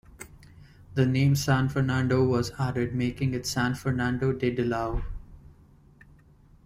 The name San Fernando was added, making it San Fernando de Dilao.